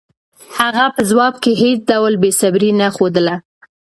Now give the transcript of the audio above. هغه په ځواب کې هېڅ ډول بېصبري نه ښودله.